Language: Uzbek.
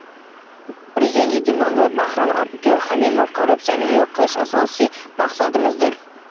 Prezidentlikka nomzod Bahrom Abduhalimov: “Korrupsiyani yo‘q qilish asosiy maqsadimizdir”